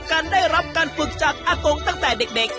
การได้รับการฝึกจากอากงตั้งแต่เด็ก